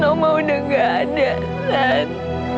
aksan oma udah gak ada aksan